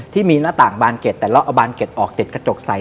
ที่มีหน้าต่างบานเก็ดแต่เราเอาบานเก็ตออกติดกระจกใส